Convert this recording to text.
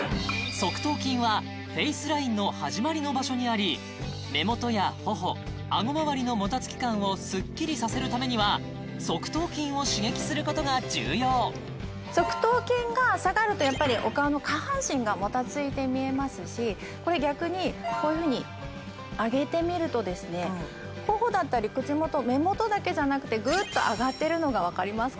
側頭筋はフェイスラインの始まりの場所にあり目元や頬顎まわりのもたつき感をスッキリさせるためには側頭筋を刺激することが重要側頭筋が下がるとやっぱりお顔の下半身がもたついて見えますしこれ逆にこういうふうに上げてみると頬だったり口元目元だけじゃなくてぐっと上がってるのがわかりますか？